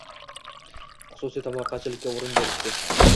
xususiy tomorqachilikka o‘rin berishdi.